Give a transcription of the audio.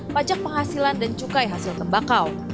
pajak penghasilan dan cukai hasil tembakau